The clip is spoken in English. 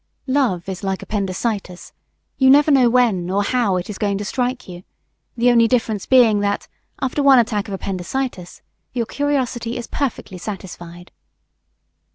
Love is like appendicitis; you never know when nor how it is going to strike you the only difference being that, after one attack of appendicitis, your curiosity is perfectly satisfied.